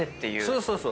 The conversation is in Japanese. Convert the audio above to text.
そうそうそう。